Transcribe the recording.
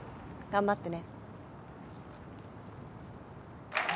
頑張って！